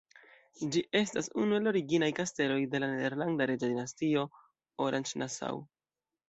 Ĝi estas unu el la originaj kasteloj de la nederlanda reĝa dinastio Oranje-Nassau.